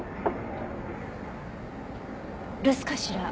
留守かしら？